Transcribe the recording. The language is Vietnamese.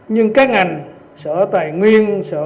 nhưng các ngành sở tài nguyên sở